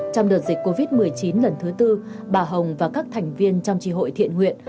trong đợt dịch covid một mươi chín lần thứ tư bà hồng và các thành viên trong tri hội thiện nguyện